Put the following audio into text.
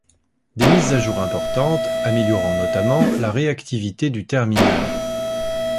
Des mises à jour importantes améliorant notamment la réactivité du terminal.